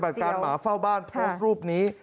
ผลิตฑลบอันผ้าวบ้านเพิ่มรูปนี้